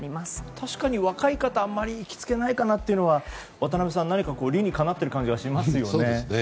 確かに若い方あまり行きつけがないかなと渡辺さん、何か理にかなっている感じがしますよね。